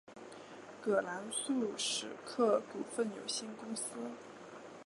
葛兰素史克股份有限公司。